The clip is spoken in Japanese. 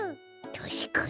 たしかに。